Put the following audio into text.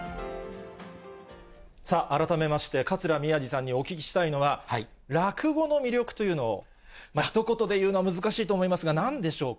さあ、改めまして、桂宮治さんにお聞きしたいのは、落語の魅力というのを、ひと言で言うのは難しいと思いますが、なんでしょうか。